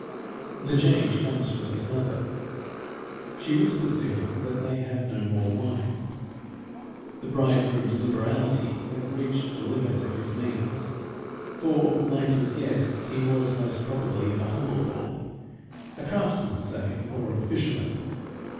The change comes from his mother. She whispers to him that they have no more wine. The bridegroom's liberality had reached the limit of his means, for, like his guests, he was, most probably, of a humble calling, a craftsman, say, or a fisherman.